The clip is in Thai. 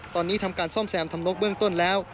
ตอนนี้ทำการซ่อมแซมทำนกเบื้องต้นแล้ว